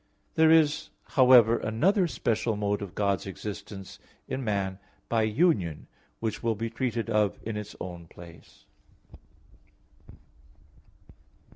There is, however, another special mode of God's existence in man by union, which will be treated of in its own place (Part III).